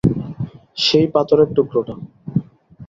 সেই পাথরের টুকরোটা।